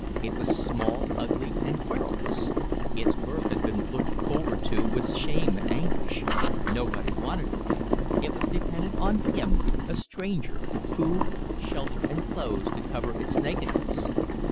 It was small, ugly, and querulous. Its birth had been looked forward to with shame and anguish. Nobody wanted it. It was dependent on him, a stranger, for food, shelter, and clothes to cover its nakedness.